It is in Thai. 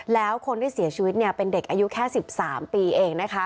แล้วคนที่เสียชีวิตเป็นเด็กอายุแค่๑๓ปีเองนะคะ